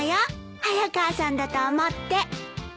早川さんだと思って。